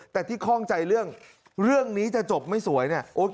แต่ที่คล่องใจเรื่องเรื่องนี้จะจบไม่สวยเนี่ย